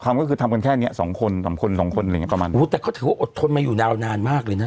ความก็คือทำกันแค่เนี้ยสองคนสองคนสองคนอะไรแบบงี้ประมาณหูแต่เขาถือว่าอดทนมาอยู่นาวนานมากเลยน่ะ